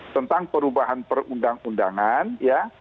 tentang perubahan perundang undangan ya